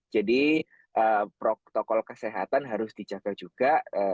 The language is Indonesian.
jadi protokol kesehatan harus dijaga juga